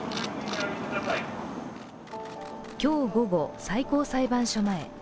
今日午後、最高裁判所前。